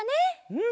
うん。